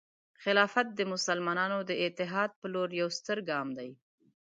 خلافت د مسلمانانو د اتحاد په لور یو ستر ګام دی.